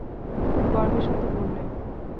খুব গর্বের সাথে বললেন।